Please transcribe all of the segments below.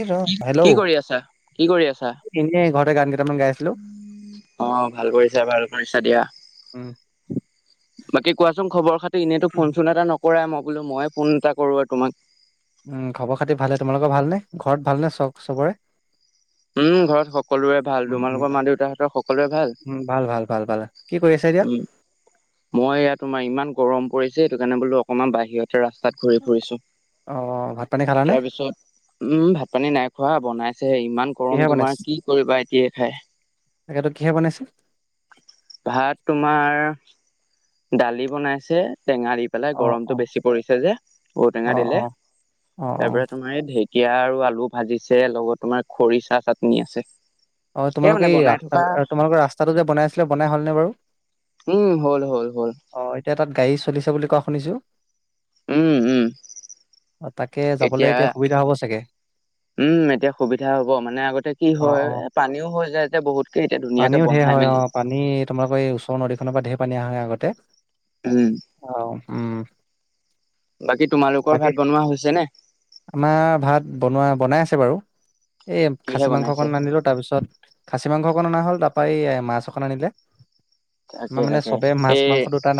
এই ৰ হেল্ল' কি কৰি আছা? কি কৰি আছা? এনে ঘৰতে গান কেইটামান গাই আছো অ ভাল কৰিছা বাৰু ভাল কৰিছা দিয়া উম বাকী কোৱাচোন খবৰ খাটি এনেইতো ফোন চোন এটা নকৰা মই বোলো মইয়ে ফোন এটা কৰো আৰু তোমাক উম খবৰ খাতি ভালে তোমালোকৰ ভালনে ঘৰত ভাল নে চব চবৰে [unintelligible] উম ঘৰত সকলোৰে ভাল উম উম তোমালোকৰ মা দেউতাহঁতৰ সকলোৰে ভাল উম ভাল ভাল ভাল ভাল কি কৰি আছা এতিয়া উম মই ইয়াত তোমাৰ ইমান গৰম পৰিছে সেইটো কাৰণে বোলো অকমান বাহিৰত এতিয়া ৰাস্তাত ঘূৰি ফুৰিছোঁ অ ভাত পানী খালানে তাৰপিছত উম ভাত পানী নাই খোৱা বনাইছেহে ইমান গৰম কিহে তোমাৰ কি কৰিবা এতিয়া খাই তাকেটো কিহে বনাইছে ভাত তোমাৰ দালি বনাইছে টেঙাদি পেলাই অ গৰমটো অ বেছি পৰিছে যে অ ঔটেঙা দিলে অ অ অ তাৰ পৰা তোমাৰ এই ঢে ঢেকীয়া আৰু আলু ভাজিছে লগত তোমাৰ খৰিচা চাটনি আছে অ সেয়া মানে তোমালোকৰ এই বনাই ৰাস্তা থকা তোমালোকৰ ৰাস্তাটো যে বনাই আছিলে বনাই হলনে বাৰু উম হ'ল হ'ল হ'ল অ এতিয়া তাত গাড়ী চলিছে বুলি কোৱা শুনিছোঁ উম উম অ তাকে যাবলে এতিয়া সুবিধা হব চাগে উম এতিয়া সুবিধা হ'ব মানে আগতে কি অ হয় অ এ পানীও হৈ যায় যে বহুত পানীও ঢেৰ হয় অ পানী তোমালোকৰ এই ওচৰৰ নদীখনৰ পৰা ঢেৰ পানী আহে আগতে উম অ উম বাকী তোমালোকৰ বাকী ভাত বনোৱা হৈছেনে আমাৰ ভাত বনোৱা, বনাই আছে বাৰু। এই কিহে খাচী মাংস বনাইছে অকন আনিলোঁ। তাৰপিছত খাছী মাংস অকন অনা হ'ল, তাৰপৰা এ মাছ অকন আনিলে। তাকে আমাৰ মানে তাকে চবেই মাছ, এই মাংস দুটা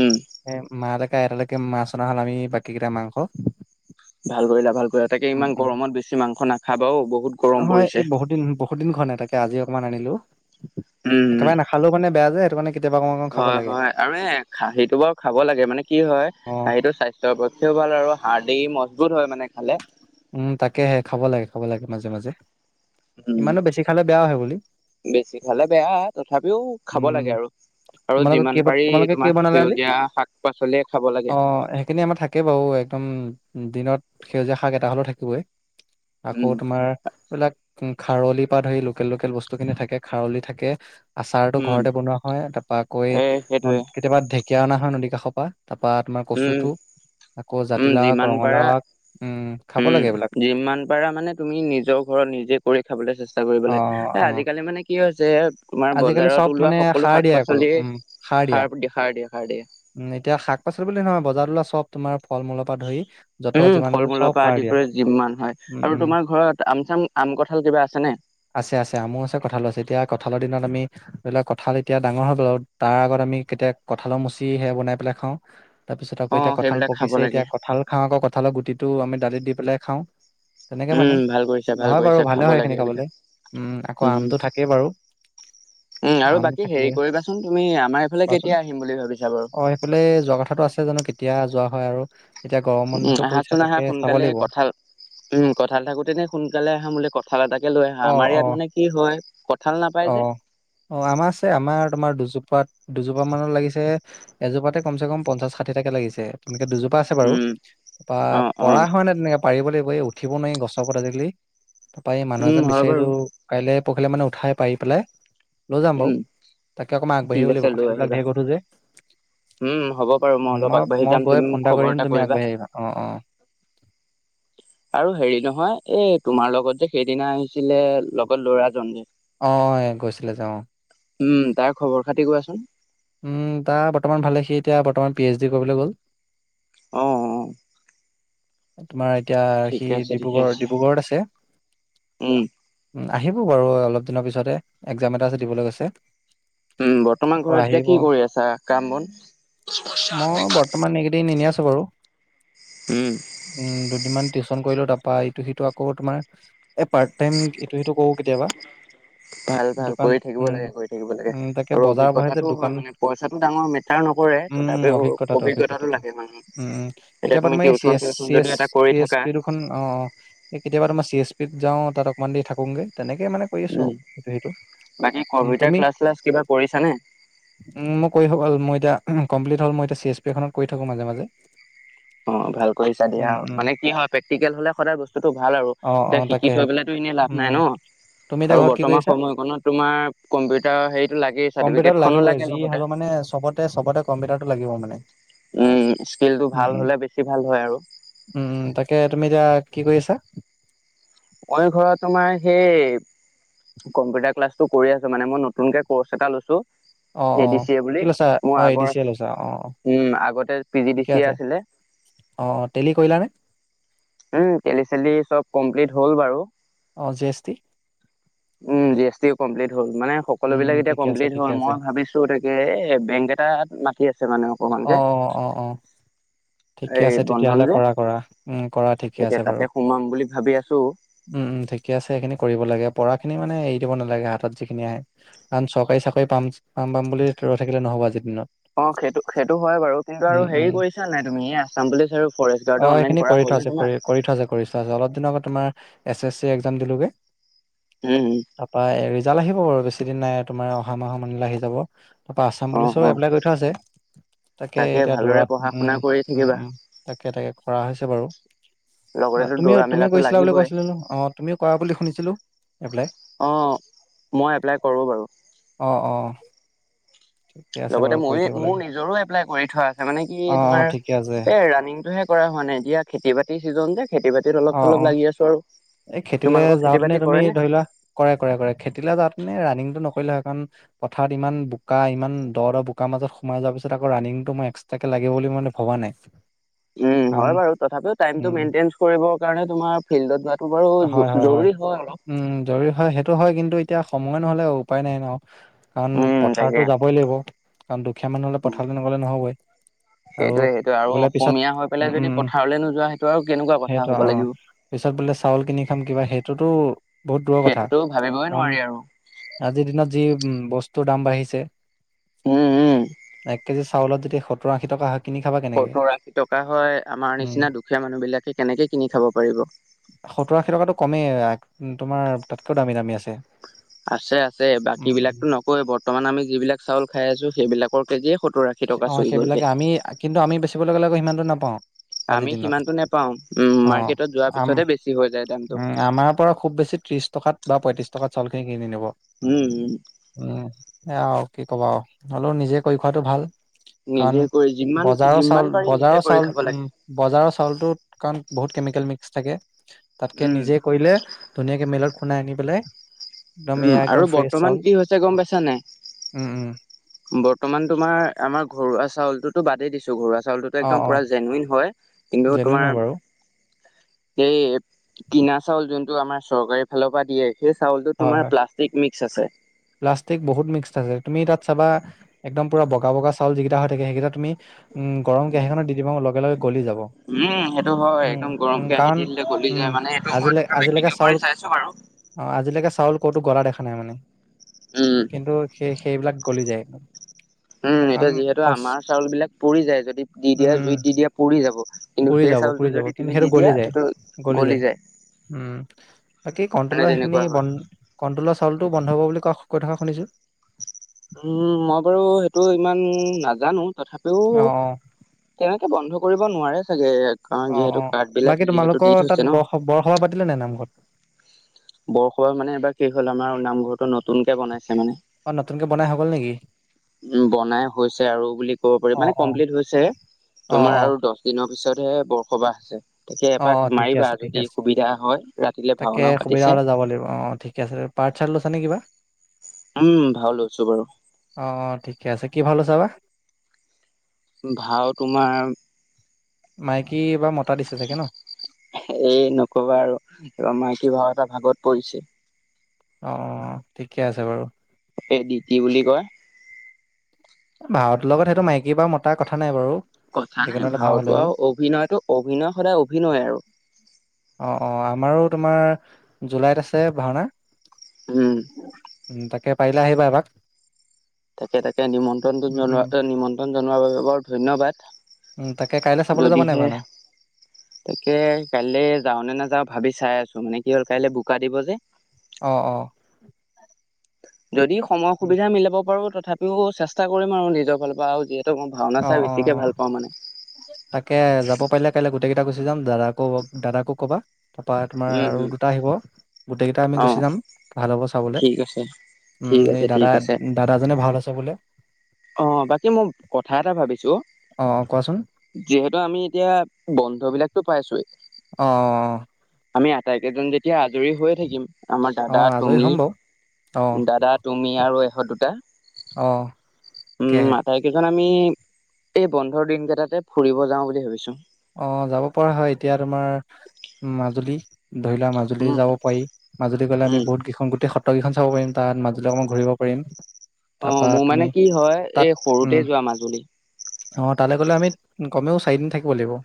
উম এ মালেকে আইতালেকে মাছ অনা হ'ল, আমি বাকী কেইটা মাংস। ভাল কৰিলা, ভাল কৰিলা। তাকে উম ইমান উম গৰমত বেছি মাংস নাখাবা ও বহুত গৰম নহয় এই পৰিছে। বহুত দিন বহুত দিন খোৱা নাই, তাকে আজি অকমান আনিলোঁ। উম্ উম্। খালেঁও মানে বেয়া যে, সেইটোকাৰনে। হয় হয়, আৰু এ খাহীটো বাৰু খাব লাগে। মানে কি হয়, অ খাহীটো স্বাস্থ্য স্বাস্থ্য পাতিও ভাল আৰু হাৰ্ডি মজবুত হয় মানে খালে। উম্, তাকেহে খাব লাগে খাব লাগে মাজে মাজে। উম ইমানো বেছি খালে বেয়াও হেই বুলি। বেছি খালে বেয়া, তথাপিও খাব উম লাগে আৰু। আৰু তোমালোকৰ কি যিমান পাৰি তোমালোকে কি তোমাৰ বনালা আজি সেউজীয়া শাক-পাচলি খাব লাগে। থাকে বাৰু, একদম দিনত সেউজীয়া শাক এটা হ'লেও থাকিবই। আকৌ উম তোমাৰ এইবিলাক খাৰলি পৰা ধৰি লোকেল লোকেল বস্তু খিনি থাকে, খাৰলি থাকে। আচাৰটো উম ঘৰতে বনোৱা হয়। তাৰপা আকৌ এই এ ন সেইটোৱে কেতিয়াবা ঢেকীয়া অনা হয়, নদী কাষৰ পৰা। তাৰপা তোমাৰ উম কচুথুৰ, আকৌ জাতিলাও আগ, ৰঙালাও আগ। উম্ উম্। উম্, যিমান পাৰা মানে তুমি নিজৰ ঘৰত, নিজে কৰি খাবলৈ চেষ্টা কৰিব অ লাগে। অ এ অ আজিকালি মানে কি হৈছে। তোমাৰ আজিকালি চব বজাৰত মানে ওলোৱা সকলো সাৰ দিয়ে অকল শাক-পাচলিয়ে উম সাৰ দিয়ে, সাৰ দিয়ে সাৰ দিয়ে। উম্, এতিয়া শাক-পাচলি বুলি নহয়, বজাৰত ওলোৱা চব। তোমাৰ ফল মূলৰ পৰা ধৰি য'ত উম্, যিমান আছে চব ফল-মূলৰ পৰা সাৰ আদি দিয়া কৰি যিমান হয় উম আৰু উম তোমাৰ ঘৰত আম চাম আম, কঁঠাল কিবা আছেনে? আছে আছে। আমো আছে, কঁঠালো আছে, এতিয়া কঁঠালৰ দিনত আমি ধৰি লোৱা কঁঠাল এতিয়া ডাঙৰ হৈ গ'ল, তাৰ আগত আমি কেতিয়া কঁঠালৰ মুচি সেয়া বনাই পেলাই খাওঁ। তাৰপিছত আকৌ অ এতিয়া কঁঠাল সেইবিলাক খাব পকিছে, এতিয়া লাগে কঁঠাল খাওঁ আকৌ কঁঠালৰ গুটিটো আমি দালিত দি পেলাই খাওঁ। তেনেকে মানে, উম ভাল কৰিছা ভাল নহয় কৰিছা বাৰু খাব ভালে হয় লাগে সেইখিনি এইবিলাক খাবলৈ। উম্, আকৌ আমটো থাকেই বাৰু। উম্ আৰু আম বাকী হেৰি থাকিবই কৰিবাচোন তুমি। আমাৰ এইফালে কোৱাচোন কেতিয়া আহিম বুলি ভাবিছাঁ বাৰু! অ সেইফালে যোৱা কথাটো আছে, জানোঁ কেতিয়া যোৱা হয় আৰু! এতিয়া গৰম উম্, বন্ধটো পৰিছে আহাচোন আহা তাকে চাব সোনকালে। লাগিব কঠাল উম্, কঠাল থাকোতেনে সোনকালে আহা। মোলে ক কঁঠাল এটাকে লৈ আহা, অ আমাৰ অ ইয়াত মানে কি হয় কঁঠাল নাপায় অ যে। অ', আমাৰ আছে। আমাৰ তোমাৰ দুজোপাত, দুজোপা মানত লাগিছে। এজোপাতে কমচে কম পঞ্চাচ, ষাঠিটাকে লাগিছে। তেনেকে দুজোপা আছে বাৰু, উম তাৰপা অ অ পৰা হোৱা নাই তেনেকে। পাৰিব লাগিব, এই উঠিব নোৱাৰি গছৰ ওপৰত আজিকালি। তাৰপৰা এই মানুহ এজন উম হয় বাৰু কাইলৈ পৰশিলে মানে উঠাই পাৰি পেলাই। লৈ যাম উম বাৰু, তাকে অকণমান আগবাঢ়ি ঠিক আহিব আছে লাগিব। লৈ কঁঠালবিলাক আহিবা ঢেৰ গধুৰ যে। উম হ'ব বাৰু অলপ মই আগবাঢ়ি মই যাম গৈ তুমি মোক ফোন এটা খবৰ কৰি দিম, তুমি কৰিবা আগবাঢ়ি আহিবা। অ'অ'। আৰু হেৰি নহয়, এই তোমাৰ লগত যে সেইদিনা আহিছিলে লগত ল'ৰাজন যে। অ', গৈছিলে যে অ'। উম্, তাৰ খবৰ-খাতি কোৱাচোন? উম্, তাৰ বৰ্তমান ভালেই। সি এতিয়া বৰ্তমান পি এইচ ডি কৰিবলৈ গ'ল। অ'অ'। তোমাৰ এতিয়া সি ঠিকে আছে ঠিকে ডিব্ৰুগড়, আছে ডিব্ৰুগড়ত আছে। উম উম্, আহিব বাৰু অলপ দিনৰ পিছতে। একজাম এটা আছে, দিবলৈ গৈছে। উম', বৰ্তমান আকৌ ঘৰত এতিয়া আহিব কি কৰি আছা কাম-বন? ত মানে এইকেইদিন এনেই আছোঁ বাৰু। উম',। উম', দুদিনমান টিউচন কৰিলোঁ তাৰপা ইটো-সিটো আকৌ তোমাৰ। এ, পাৰ্ট টাইম ইটো-সিটো কৰোঁ কেতিয়াবা। ভাল-ভাল, দোকান কৰি থাকিব উম লাগে কৰি থাকিব লাগে, উম তাকে আৰু বজাৰ বহে যে অভিজ্ঞতাটো হয় দোকান মানে পইচাটো ডাঙৰ মেট মেটাৰ নকৰে, তথাপিও অভিজ্ঞতাটো লাগে মানে উম উম এতিয়া কেতিয়াবা তুমি টিউচ কেইখন টিউচন যদি এটা কৰি থাকা। সেইখন অ', -অ', এই কেতিয়াবা তোমাৰ চি এছ পিত যাওঁ তাত অকনমান দেৰি থাকোগে। তেনেকে মানে কৰি আছোঁ, উম ইটো-সিটো বাকী উম', কম্পিউটাৰ তুমি? ক্লাছ চ্লাছ কিবা কৰিছানে উম', মই কৰি থাকো মই এতিয়া কমপ্লিট হ'ল মই এতিয়া চি এছ পি এখনত কৰি থাকো মাজে মাজে। অ', ভাল কৰিছা দিয়া, উম উম মানে কি হয় প্ৰেক্টিকেল হ'লে সদায় বস্তুতটো ভাল আৰু অ অ এতিয়া শিক শিকি তাকেহে থৈ পেলেটো এনেই লাভ উম নাই ন? তুমি এতিয়া আৰু ঘৰত কি কৰি বৰ্তমান আছা সময়কণত তোমাৰ কম্পিউটাৰ হেৰিতটো লাগেই চাৰ্টিফিকেট খনো লাগে লগতে। তে চবতে কম্পিউটাৰটো লাগিব মানে। উম', স্কিল টো উম, ভাল উম। হ'লে বেছি ভাল হয় আৰু। উম', তাকে তুমি এতিয়া কি কৰি আছা? মই ঘৰত তোমাৰ সেই। কম্পিউটাৰ ক্লাছটো কৰি আছোঁ মানে মই নতুন কে কোৰ্চ এটা লৈছোঁ। অ', -অ', কি লৈছা? অ', এ ডি আগৰ চি এ লৈছা অ', -অ',। উম', আগতে পি জি ডি ঠিকে চি য়ে আছে আছিলে। অ', -অ', টেলি কৰিলা নে? উম', টেলি-চেলি চব কমপ্লিট হ'ল বাৰু। অ', জি এছ টি? উম', জি এছ টিও কমপ্লিট হ'ল মানে উম, সকলোবিলাক এতিয়া ঠিকে আছে কমপ্লিট হ'ল ঠিকে আছে। মই ভাবিছ তো তাকে, এ বেংক এটাত মাতি আছে মানে অ',। অ', -অ', -অ', -অ', ঠিকে এই আছে বন্ধন তেতিয়াহ'লে যে কৰা-কৰা। উম', কৰা ঠিকে তাকে আছে তাতে বাৰু। সোমাম বুলি ভাবি আছো উম', -উম', ঠিকে আছে সেইখিনি কৰিব লাগে পঢ়া খিনি মানে এৰি দিব নালাগে হাতত যিখিনি আহে। কাৰণ চৰকাৰী চাকৰি পাম, পাম-পাম বুলি ৰৈ থাকিলে নহ'ব আজিৰ দিনত। অ', সেইটো-সেইটো হয় বাৰু। কিন্তু উম, আৰু উম। হেৰি কৰিছা নাই তুমি আছাম পুলিচ আৰু ফৰেষ্ট অ গাৰ্ডৰ সেইখিনি অনলাইন কৰা কৰি থোৱা হ'ল আছে নাই কৰি তোমাৰ। কৰি থোৱা আছে কৰিছা অলপ দিনৰ আগত তোমাৰ এছ এছ চি একজাম দিলোগে। উম', -হুম',। তাৰপা এ ৰিজাল্ট আহিব আৰু বেছি দিন নাই তোমাৰ অহা মাহৰ মানেলে আহি যাব। তাৰপা আসাম অ অ পুলিচৰো এপ্লাই কৰি থোৱা আছে। তাকে এতিয়া ভালদৰে দৌৰাত পঢ়া উম', শুনা কৰি -উম', উম', থাকিবা -উম', তাকে-তাকে কৰা হৈছে বাৰু। তেতিয়া লগতেতো দৌৰা তুমিও তুমি মেলাটো কৰিছিলা বুলি লাগিবই কৈছিলোঁ ন, অ', তুমিও কৰা বুলি শুনিছিলোঁ, এপ্লাই। অ', মই এপ্লাই কৰোঁ বাৰু। অ', -অ',। ঠিকে আছে লগতে বাৰু কৰি ময়ে থাকিব মোৰ লাগে নিজৰো এপ্লাই কৰি থোৱা আছে মানে কি অ হ'ল অ তোমাৰ, ঠিকে আছে এই ৰাণিংটোহে। একো কৰা হোৱা নাই এতিয়া খেতি-বাতি ছিজন যে খেতি-বাতিত অ অ অলপ-চলপ লাগি আছোঁ আৰু। এই খেতিলে তোমালোকৰ খেতি যাওঁতে নে বাতি তুমি কৰে ধৰি লোৱা কৰা-কৰা-কৰা খেতিলে যাওঁতে নে ৰানিংটো নকৰিলে হয় কাৰণ। পথাৰত ইমান বোকা ইমান দ-দ বোকা মাজত সোমাই যোৱাৰ পিছত আকৌ ৰানিংটো মই এক্সট্ৰাকে লাগিব বুলি মই ভবা নাই। উম', কাৰণ হয় বাৰু তথাপিও টাইমটো উম মেইনটেনেন্স কৰিবৰ কাৰণেও তোমাৰ। ফিল্ডত যোৱাটো বাৰু হয় হয় জ-জৰুৰী হয় অলপ। উম, জৰুৰী হয় সেই টো হয় কিন্তু এতিয়া সময় নহ'লে উপায় নাই ন' কাৰণ উম পথাৰতো তাকে যাবই লাগিব। কাৰণ দুখীয়া মানুহ হ'লে পথাৰলে নগ'লে নহ'বই। আৰু সেইটোৱে সেইটোৱে আৰু বোলে পিছত অসমীয়া হৈ উম পেলাই উম যদি উম পথাৰলৈ নোযোৱা সেইটো আৰু কেনেকুৱা কথা সেইটো হ'ব অ লাগিব। পিছত বোলে চাউল কিনি খাম কিবা সেইটোতো বহুত দূৰৰ কথা সেইটোতো ভাবিবই কাৰণ নোৱাৰি আৰু আজিৰ দিনত যি উ, বস্তুৰ দাম বাঢ়িছে। উম উম এক কেজি চাউলত যদি সত্তৰ আশী টকা হয় কিনি খাবা কেনেকে? সত্তৰ আশী টকা হয়, আমাৰ উম। নিচিনা দুখীয়া মানুহবিলাকে কেনেকে কিনি খাব পাৰিব। সত্তৰ আশী টকাতো কমেই তোমাৰ তাতকৈও দামী দামী আছে। আছে আছে, বাকী উম উম। বিলাকতো নকৱে, বৰ্তমান আমি যিবিলাক চাউল খাই আছোঁ সেইবিলাকৰ কেজিয়ে‌ সত্ত অ' সেইবিলাকে, আমি কিন্তু আমি বেচিব গ'লে সিমানটো নাপাওঁ। আজিৰ আমি দিনত। সিমানটো নেপাওঁ উম, অ মাৰ্কেটত যোৱাৰ আম পিছতহে বেছি হৈ যায় দামটো। উম, আমাৰ পৰা খুব বেছি ত্ৰিশ টকাত বা পঁয়ত্ৰিশ টকাত চাউলখিনি কিনি নিব। উম, হু। উম, সেইয়া আৰু কি ক'বা আৰু হ'লেও নিজে কৰি খোৱাটো ভাল। কাৰণ নিজে কৰি যিমান বজাৰৰ যিমান চাউল, পাৰি নিজে বজাৰৰ কৰি চাউল, খাব লাগে উম। বজাৰৰ চাউলটোত কাৰণ বহুত কেমিকেল মিক্স থাকে তাতকে উম নিজে কৰিলে ধুনীয়াকে মেলত খুনাই আনি পেলাই একদম উম, এয়া আৰু একদম ফ্ৰেছ বৰ্তমান চাউল কি হৈছে গম পাইছা নাই? উম, উম, বৰ্তমান তোমাৰ আমাৰ ঘৰুৱা চাউলটোতো বাদেই দিছ ঘৰুৱা চাউলটোতো অ', একদম অ', পুৰা জেনুইন হয় কিন্তু জেনুইন হয় তোমাৰ বাৰু। সেই কিনা চাউল যোনটো আমাৰ চৰকাৰী ফালৰ পৰা দিয়ে সেই চাউলটো হয়, তোমাৰ হয়, প্লাষ্টিক মিক্স আছে। প্লাষ্টিক বহুত মিক্স আছে, তুমি তাত চাবা একদম পুৰা বগা বগা চাউল যিকেইটা হৈ থাকে সেইকেইটা তুমি উম, গৰম কেৰাহীখনত দি দিবা হা, লগে লগে গলি যাব। উম, সেইটো হয়, উম, একদম গৰম উম, কেৰাহীত কাৰণ দি দিলে গলি উম, যায় মানে সেইটো মই আজিলে তোমাৰ আজিলৈকে প্ৰেক্টিকেল চাউল কৰি চাইছোঁ বাৰু। অ' আজিলৈকে চাউল ক'তো গলা দেখা নাই মানে, উম কিন্তু সেই সেইবিলাক গলি যায়। উম, এতিয়া কাৰণ যিহেতু সচ আমাৰ চাউলবিলাক পুৰি যায়, যদি দি উম, দিয়া উম, জুইত দি দিয়া পুৰি যাব। কিন্তু পুৰি সেই যাব পুৰি চাউলটো যাব যদি কিন্তু তুমি সেইটো দি গলি দিয়া যায়। সেইটো গলি যায়। উম, বাকী মানে কণ্ট্ৰলৰ সেইখিনি তেনেকুৱা হয়। বন কণ্ট্ৰলৰ চাউলটো বন্ধ হ'ব বুলি কৈ থকা শুনিছোঁ। উম, মই বাৰু সেইটো ইমান নাজানো তথাপিও অ', অ'। তেনেকে বন্ধ কৰিব নোৱাৰে চাগে। কাৰণ অ অ যিহেতু কাৰ্ডবিলাক বাকী যিহেতু তোমালোকৰ দি তাত থৈছে ন'। বৰ বৰসবাহ পাতিলে নাই নামঘৰত বৰখলা মানে এইবাৰ কি হ'ল আমাৰ নামঘৰটো নতুনকে বনাইছে মানে। অ' নতুনকে বনাই হৈ গ'ল নেকি? উম, বনাই হৈছে আৰু বুলি ক'ব পাৰি, অ মানে অ কমপ্লিট হৈছে অ তোমাৰ অ আৰু দহ দিনৰ পিছতহে বৰসভা আছে। তাকে অ এপাক অ ঠিকে মাৰিবা আছে ঠিকে যদি আছে সুবিধা হয়, ৰাতিলে তাকে ভাওনাও সুবিধা পাতিছে। হ'লে যাব লাগিব অ অ ঠিকে আছে পাৰ্ট চাৰ্ট লৈছানে কিবা? উম, ভাও লৈছোঁ বাৰু। অ' ঠিকে আছে। কি ভাও লৈছা বা? ভাও তোমাৰ মাইকী বা মতা দিছে চাগে ন'? এ নক'বা আৰু এইবাৰ মাইকী ভাও এটা ভাগত পৰিছে অঅ অ ঠিকে আছে বাৰু এই ডিতি বুলি কয় এই ভাওতোৰ লগত সেইটো মাইকী বা মতাৰ কথা নাই বাৰু কথা নাই যিকোনো এটা ভাও হ'লে ভাওতো হ'ল আৰু অভিনয়টো অভিনয় সদায় অভিনয় আৰু অ অ আমাৰো তোমাৰ জুলাইত আছে ভাওনা হম উম তাকে পাৰিলে আহিবা এপাক তাকে তাকে নিমন্ত্ৰণটো উম উম জনোৱা নিমন্ত্ৰণ জনোৱাৰ বাবে বৰ ধন্যবাদ উম তাকে কাইলৈ চাবলৈ যাবা নে নাই যদিহে ভাওনা তাকে কাইলে যাওঁ নে নাযাওঁ ভাবি চাই আছো মানে কি হ'ল কাইলৈ বোকা দিব যে অ অ যদি সময় সুবিধা মিলাব পাৰো তথাপিও চেষ্টা কৰিম আৰু নিজৰ ফালৰ পৰা আৰু মই ভাওনা অ চাই অ বেছিকে ভাল পাওঁ মানে তাকে যাব পাৰিলে কাইলৈ গোটেই কেইটা গুচি যাম দাদাকো দাদাকো ক'বা তাৰপৰা তোমাৰ উম আৰু হম দুটা আহিব গোটেই কেইটা আমি অ গুচি যাম- ভাল হ'ব চাবলৈ ঠিক আছে ঠিক উম এই আছে দাদা ঠিক আছে দাদাজনে ভাও লৈছে বোলে অ বাকী মই কথা এটা ভাবিছো অ কোৱাচোন যিহেতু আমি এতিয়া বন্ধ বিলাকতো পাইছোয়েই অ অ আমি আটাইকেইজন যেতিয়া আজৰি হৈয়ে থাকিম আমাৰ অ অ দাদা আজৰি তুমি হ'ম বাৰু অ দাদা তুমি আৰু ইহঁত দুটা অ উম তাকেহে আতাই কেইজন আমি এই বন্ধৰ দিন কেইটাতে ফুৰিব যাও বুলি ভাবিছো অ যাব পৰা হয় এতিয়া তোমাৰ মাজুলী ধৰি লোৱা মাজুলী উম যাব পাৰি মাজুলী গ'লে আমি উম বহুত কেইখন গোটেই সত্ৰকেইখন চাব পাৰিম তাত মাজুলী অকণমান ঘৰিব পাৰিম অ তাৰপা মোৰ তুমি মানে কি হয় তাত এই উম সৰুতেই যোৱা মাজুলী অ তালৈ গ'লে আমি কমেও চাৰিদিন থাকিব লাগিব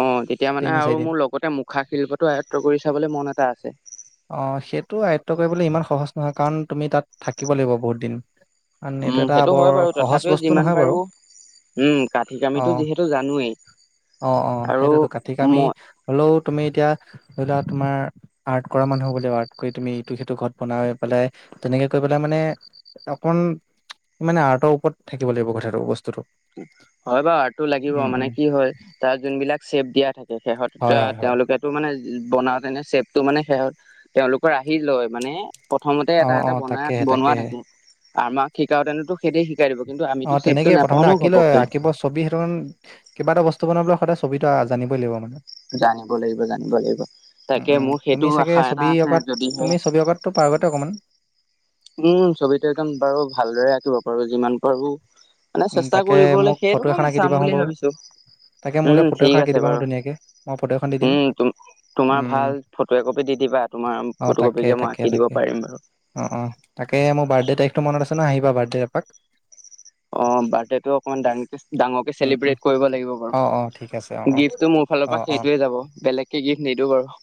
অ তেতিয়া মানে তিনি আৰু চাৰিদিন মোৰ লগতে মুখা শিল্পটো আয়ত্ব কৰি চাবলৈ মন এটা আছে অ সেইটো আয়ত্ব কৰিবলৈ ইমান সহজ নহয় কাৰণ তুমি তাত থাকিব লাগিব বহুত দিন কাৰণ এইটো উম এটা সেইটো বৰ হয় বাৰু সহজ তথাপিও বস্তু যিমান নহয় বাৰু পাৰো উম কাঠি অ কামিতো যিহেতু জানোৱেই অ অ আৰু সেইটোতো কাঠিকামি মই হ'লেও তুমি এতিয়া ধৰি লোৱা তোমাৰ আৰ্ট কৰা মানুহ ব ৱ্ কৰি তুমি ইটো সিটো ঘৰত বনাই পেলাই তেনেকে কৈ পেলাই মানে অকন মানে আৰতৰ ওপৰত থাকিব লাগিব কথাটো বস্তুটো হয় বাৰু আৰ্তটো লাগিব উম উম মানে কি হয় তাৰ যোনবিলাক চেপ দিয়া থাকে হয় সেহত হয় হয় তেওঁলোকে টো মানে বনাওতে এনে চেপটো মানে সেত তেওঁলোকৰ আহি লয় মানে প্ৰথমতে অ এটা অ এটা তাকেহে বনাই বনোৱা তাকেহে থাকে আমাক শিকওতেতো সেইট দিব কিন্তু আমি চেভটো নাপাওঁ ন ঘপকে কিবা ছবি সেইটো কিবা এটা বস্তু বনাবলৈ সদায় ছবিটো জানিবই লাগিব মানে জানিব লাগিব জানিব লাগিব উম, তাকে উম, মোৰ তুমি সেইটো আশা এটা আছে যদিহে পাৰ্গতে অকণমান উম ছবিটো একদম বাৰু ভালদৰে আঁকিব পাৰো যিমান পাৰো মানে উম, চেষ্টা তাকে কৰিবলৈ মোক সেইটো ফটো এখন কাৰণে আঁকি চাম দিবা হো বুলি বাৰু। ভাবিছো। তাকে মোলে উম ফটো এখন ঠিক আঁকি আছে দিবা হো বাৰু, ধুনীয়াকে। মই ফটো এখন দি দিম। উম তুম তোমাৰ উম, ভাল ফটো এ কপি দি দিবা তোমাৰ অ' ফটো তাকে কপিকে মই তাকে আঁকি দিব তাকে। পাৰিম বাৰু। অ অ তাকে মোৰ বাৰ্থডে তাৰিখটো মন আছে ন আহিবা বাৰ্থডে এপাক। অ বাৰ্থডেটো অকমান ডাঙ কে ডাঙৰকে উম, উম, চেলিব্ৰেট কৰিব লাগিব বাৰু, অ' অ' ঠিক আছে অ' অ' গিফটো মোৰ ফালৰ পৰা অ' অ'। সেইটোয়ে যাব বেলেগ গিফ্ট নিদিওঁ বাৰু।